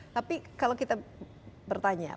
tapi kalau kita bertanya